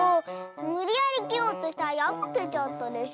むりやりきようとしたらやぶけちゃったでしょ！